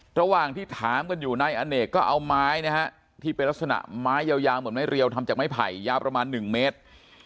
ระหว่างที่ถามกันอยู่นายอเนกก็เอาไม้นะฮะที่เป็นลักษณะไม้ยาวเหมือนไม้เรียวทำจากไม้ไผ่ยาวประมาณ๑เมตร